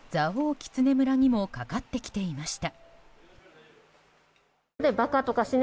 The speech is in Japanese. キツネ村にもかかってきていました。